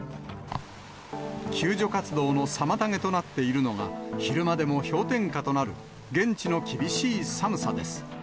救助活動の妨げとなっているのが、昼間でも氷点下となる現地の厳しい寒さです。